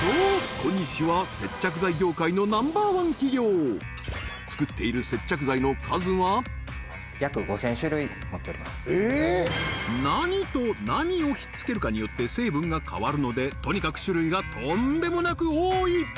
コニシは接着剤業界のナンバーワン企業何と何をひっつけるかによって成分が変わるのでとにかく種類がとんでもなく多い！